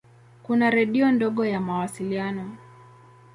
Kuna redio ndogo ya mawasiliano.